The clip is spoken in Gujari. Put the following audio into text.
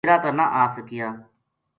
ڈیرا تا نہ آ سکیا